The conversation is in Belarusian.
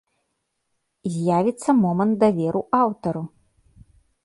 З'явіцца момант даверу аўтару!